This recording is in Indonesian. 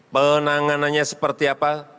penanganannya seperti apa